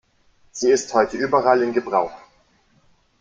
Sie ist heute überall in Gebrauch.